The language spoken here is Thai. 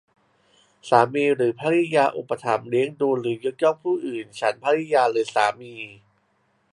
สามีหรือภริยาอุปการะเลี้ยงดูหรือยกย่องผู้อื่นฉันภริยาหรือสามี